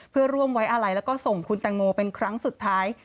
เพื่อร่วมไว้อาลัยแล้วก็ส่งคุณแตงโมเป็นครั้งสุดท้าย